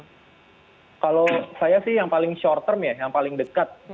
kalau saya sih yang paling short term ya yang paling dekat mungkin adalah karena psbb sudah diumumkan juga gitu